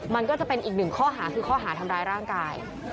มันก็จะเป็นอีกหนึ่งข้อหาคือข้อหาทำร้ายร่างกาย